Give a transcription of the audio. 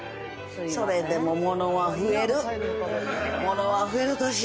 それでも物は増える。